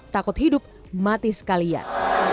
takut hidup mati sekalian